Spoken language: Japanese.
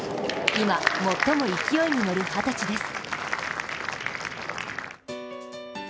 今、最も勢いに乗る二十歳です。